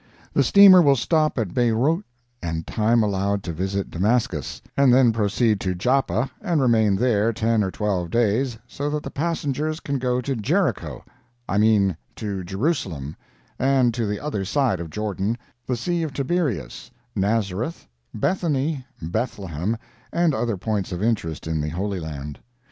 The steamer will stop at Beirout and time allowed to visit Damascus, and then proceed to Joppa and remain there ten or twelve days, so that the passengers can go to Jericho—I mean to Jerusalem—and to the other side of Jordan, the Sea of Tiberias, Nazareth, Bethany, Bethlehem, and other points of interest in the Holy Land.